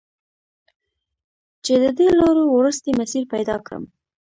چې د دې لارو، وروستی مسیر پیدا کړم